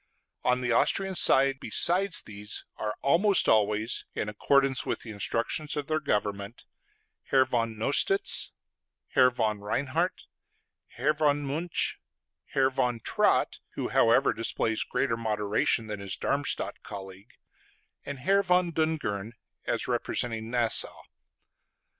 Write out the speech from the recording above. On the Austrian side, besides these, are almost always, in accordance with the instructions of their governments, Herr von Nostitz, Herr von Reinhard, Herr von Münch, Herr von Trott (who, however, displays greater moderation than his Darmstadt colleague), and Herr von Dungern as representing Nassau.